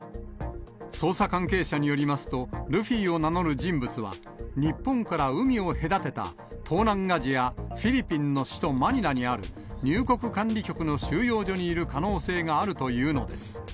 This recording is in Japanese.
捜査関係者によりますと、ルフィを名乗る人物は、日本から海を隔てた東南アジア・フィリピンの首都マニラにある、入国管理局の収容所にいる可能性があるというのです。